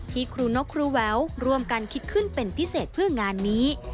ครูนกครูแววร่วมกันคิดขึ้นเป็นพิเศษเพื่องานนี้